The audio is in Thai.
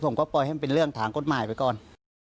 ผมก็ปล่อยให้มันเป็นเรื่องทางกฎหมายไปก่อน